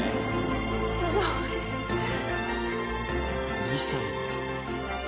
すごい。２歳で。